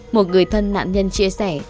một người thân nạn nhân chia sẻ